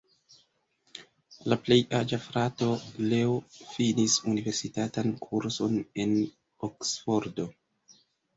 La plej aĝa frato, Leo, finis universitatan kurson en Oksfordo.